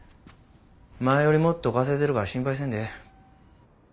前よりもっと稼いでるから心配せんでええ。